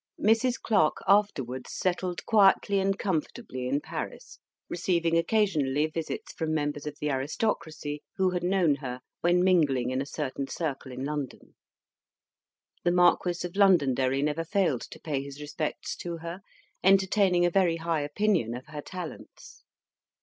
Mrs. Clarke afterwards settled quietly and comfortably in Paris, receiving occasionally visits from members of the aristocracy who had known her when mingling in a certain circle in London. The Marquis of Londonderry never failed to pay his respects to her, entertaining a very high opinion of her talents.